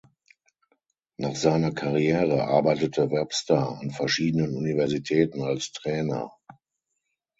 Nach seiner Karriere arbeitete Webster an verschiedenen Universitäten als Trainer.